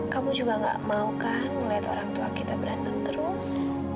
kamu juga gak mau kan melihat orang tua kita berantem terus